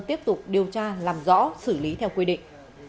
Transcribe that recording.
tiếp tục điều tra làm rõ xử lý theo quy định